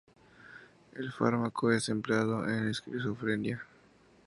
El fármaco es empleado en esquizofrenia.